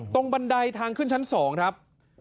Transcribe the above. บันไดทางขึ้นชั้น๒ครับ